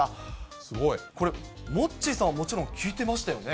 すごい。これモッチーさんはもちろん聞いてましたよね？